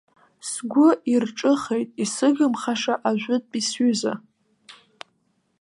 Сгәы ирҿыхеит, исыгымхаша ажәытәтәи сҩыза!